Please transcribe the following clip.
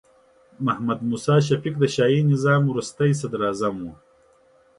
محمد موسی شفیق د شاهي نظام وروستې صدراعظم و.